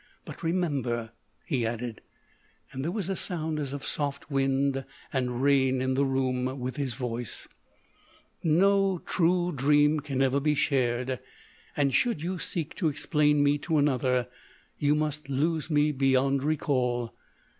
But remember/' he added â and there was a sound as of soft wind and rain in the room with his voice â " no true dream can ever be shared, and should you seek to explain me to another you must lose me beyond recall.